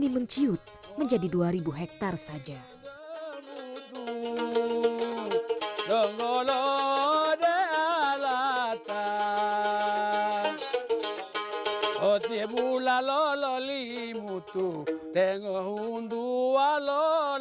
membuat luas danau limboto